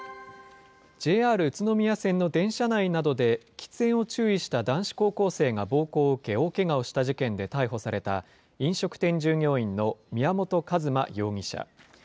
ＪＲ宇都宮線の電車内などで喫煙を注意した男子高校生が暴行を受け、大けがをした事件で逮捕された飲食店従業員の宮本一馬容疑者。